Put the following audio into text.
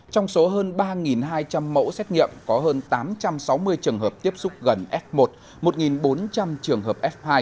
trong số hơn ba hai trăm linh mẫu xét nghiệm có hơn tám trăm sáu mươi trường hợp tiếp xúc gần f một một bốn trăm linh trường hợp f hai